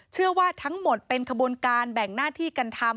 เชื่อว่าทั้งหมดเป็นขบวนการแบ่งหน้าที่กันทำ